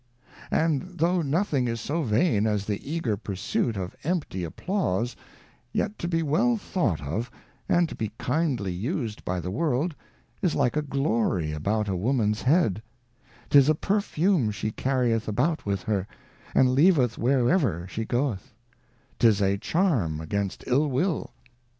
And though nothing is so vain as the eager pursuit of empty Applause, yet to be well thought of, and to be kindly used by the World, is like a Glory about a Womans Head ; 'tis a Perfume she carrieth about with her, and leaveth where ever she goeth ; 'tis a Charm against Ill will.